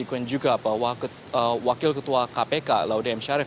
dikomen juga bahwa wakil ketua kpk laudem syarif